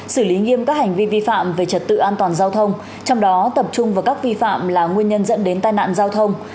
xử lý nghiêm các hành vi vi phạm về trật tự an toàn giao thông trong đó tập trung vào các vi phạm là nguyên nhân dẫn đến tai nạn giao thông